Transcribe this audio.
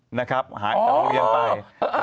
หายจากโรงเรียนไป